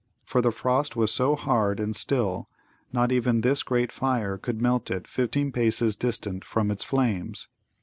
For the frost was so hard and still, not even this great fire could melt it fifteen paces distant from its flames.